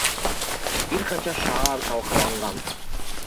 Бир канча шаар талкаланган.